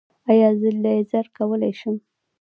ایا زه لیزر کولی شم؟